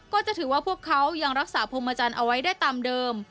ก็จะถือว่าพวกเขายังรักษาพรมจันทร์เอาไว้ได้ตามเดิม